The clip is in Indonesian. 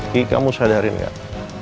ki kamu sadarin gak